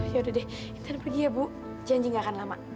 ya udah deh intan pergi ya bu janji enggak akan lama ya